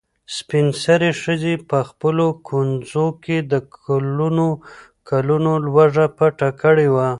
سپین سرې ښځې په خپلو ګونځو کې د کلونو کلونو لوږه پټه کړې وه.